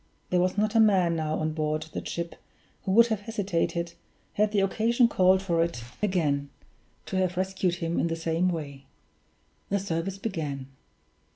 There was not a man now on board the ship who would have hesitated, had the occasion called for it again, to have rescued him in the same way. The service began.